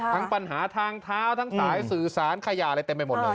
ทั้งปัญหาทางเท้าสื่อสารขยะเต็มไปหมดเลย